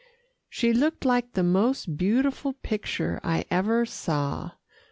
She looked like the most beautiful picture I ever saw.